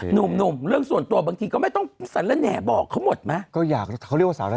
หนุ่มเน่นใส่พูดตัวบางทีก็ไม่ต้องหนักแนะบอกข้างหมดมาก็อยากหรอ